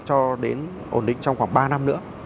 cho đến ổn định trong khoảng ba năm nữa